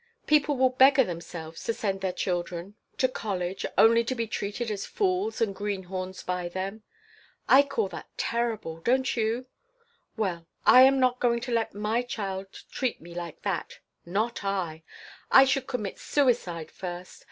People will beggar themselves to send their children to college, only to be treated as fools and greenhorns by them. I call that terrible. Don't you? Well, I am not going to let my child treat me like that. Not I. I should commit suicide first.